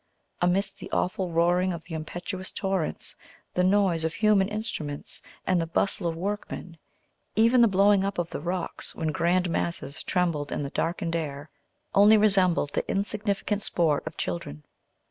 Amidst the awful roaring of the impetuous torrents, the noise of human instruments and the bustle of workmen, even the blowing up of the rocks when grand masses trembled in the darkened air, only resembled the insignificant sport of children.